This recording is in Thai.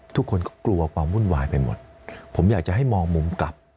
ทุกคนก็กลัวความวุ่นวายไปหมดผมอยากจะให้มองมุมกลับ